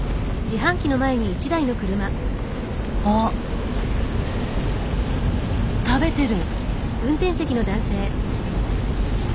あ食べてる。